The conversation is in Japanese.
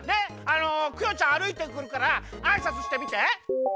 あのクヨちゃんあるいてくるからあいさつしてみて。